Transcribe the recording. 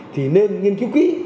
thì nên nghiên cứu kỹ